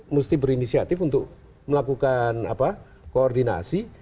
mesti berinisiatif untuk melakukan koordinasi